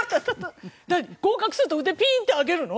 合格すると腕ピーンって上げるの？